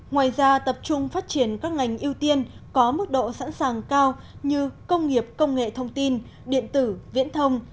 ngoài ra tập trung phát triển các ngành ưu tiên có mức độ sẵn sàng cao như công nghiệp công nghệ thông tin điện tử viễn thông